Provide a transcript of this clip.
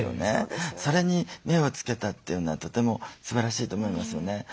それに目をつけたっていうのはとてもすばらしいと思いますよね。